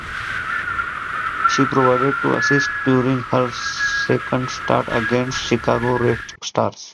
She provided two assists during her second start against the Chicago Red Stars.